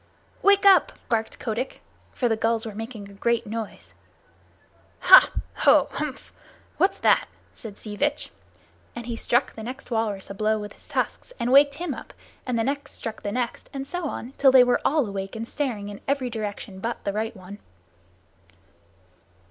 "Wake up!" barked Kotick, for the gulls were making a great noise. "Hah! Ho! Hmph! What's that?" said Sea Vitch, and he struck the next walrus a blow with his tusks and waked him up, and the next struck the next, and so on till they were all awake and staring in every direction but the right one.